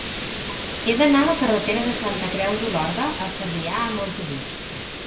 He d'anar a la carretera de Santa Creu d'Olorda a Sarrià amb autobús.